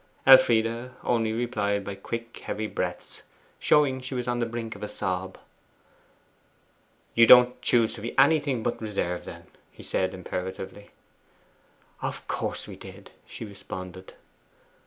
Elfride only replied by quick heavy breaths, showing she was on the brink of a sob. 'You don't choose to be anything but reserved, then?' he said imperatively. 'Of course we did,' she responded.